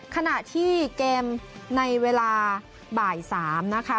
ขณะที่เกมในเวลาบ่าย๓นะคะ